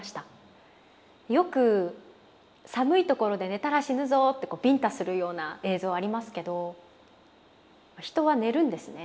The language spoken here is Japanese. よく寒い所で寝たら死ぬぞってビンタするような映像ありますけど人は寝るんですね。